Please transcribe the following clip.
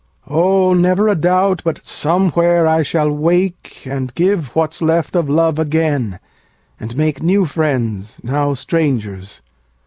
Oh, never a doubt but, somewhere, I shall wake, And give what's left of love again, and make New friends, now strangers.